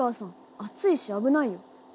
熱いし危ないよ。